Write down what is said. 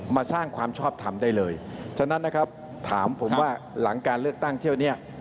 มาสร้างความชอบทำได้เลยฉะนั้นนะครับถามผมว่าหลังการเลือกตั้งเที่ยวนี้